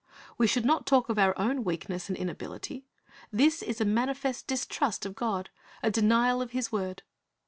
We should not talk of our own weakness and inability. This is a manifest distrust of God, a denial of His word.